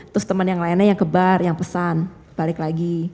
terus teman yang lainnya yang kebar yang pesan balik lagi